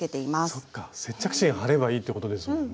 そっか接着芯貼ればいいってことですもんね。